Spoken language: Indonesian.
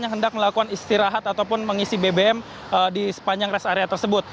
yang hendak melakukan istirahat ataupun mengisi bbm di sepanjang res area tersebut